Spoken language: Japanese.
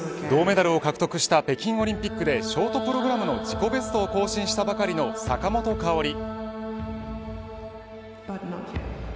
銅メダルを獲得した北京オリンピックでショートプログラムの自己ベストを更新したばかりの坂本花織。